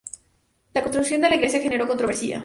La construcción de la iglesia generó controversia.